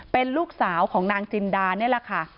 เป็นลูกสาวของนางจินดานี่แหละค่ะ